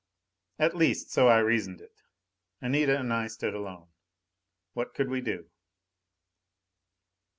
At least, so I reasoned it. Anita and I stood alone. What could we do?